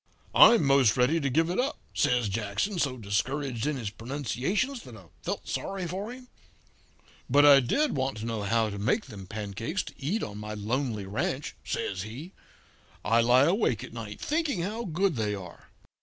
"'I'm most ready to give it up,' says Jackson, so discouraged in his pronunciations that I felt sorry for him; 'but I did want to know how to make them pancakes to eat on my lonely ranch,' says he. 'I lie awake at nights thinking how good they are.'